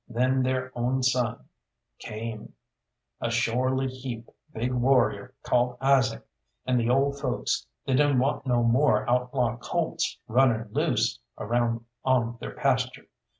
Then their own son came a shorely heap big warrior called Isaac and the old folks, they didn't want no more outlaw colts running loose around on their pasture.